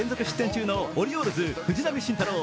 中のオリオールズ・藤浪晋太郎。